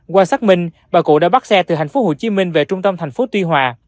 qua xác minh bà cụ đã bắt xe từ tp hcm về trung tâm tp tuy hòa